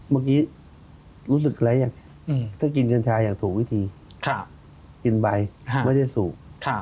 เมื่อกี้รู้สึกอะไรยังถ้ากินกัญชาอย่างถูกวิธีกินใบไม่ได้สูบ